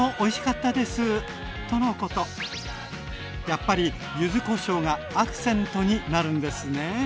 やっぱり柚子こしょうがアクセントになるんですね。